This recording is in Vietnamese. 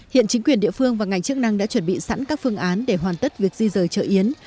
hiện chính quyền địa phương và ngành chức năng đã chuẩn bị sẵn các phương án để hoàn tất việc di rời chợ yến